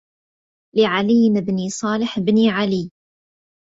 لعلي بن صالح بن علي